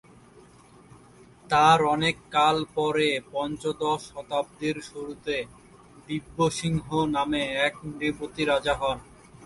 তার অনেক কাল পরে পঞ্চদশ শতাব্দীর শুরুতে দিব্য সিংহ নামে নৃপতি রাজা হন।